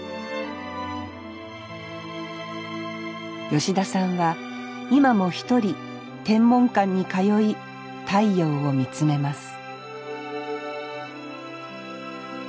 吉田さんは今も１人天文館に通い太陽を見つめます